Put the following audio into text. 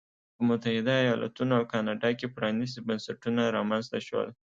په متحده ایالتونو او کاناډا کې پرانیستي بنسټونه رامنځته شول.